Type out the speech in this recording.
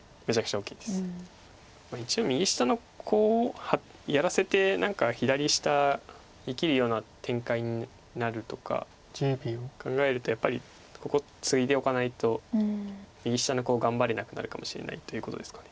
一応右下のコウをやらせて何か左下生きるような展開になるとか考えるとやっぱりここツイでおかないと右下のコウ頑張れなくなるかもしれないということですか。